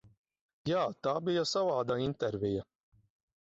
Jā, tā bija savāda intervija.